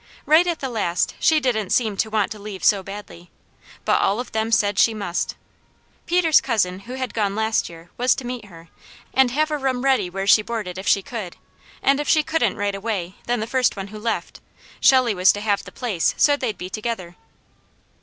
Right at the last, she didn't seem to want to leave so badly, but all of them said she must. Peter's cousin, who had gone last year, was to meet her, and have a room ready where she boarded if she could, and if she couldn't right away, then the first one who left, Shelley was to have the place, so they'd be together.